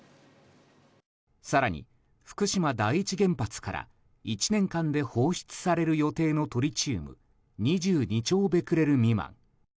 更に福島第一原発から１年間で放出される予定のトリチウム２２兆ベクレル未満。